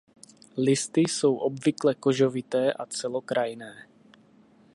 Listy jsou obvykle kožovité a celokrajné.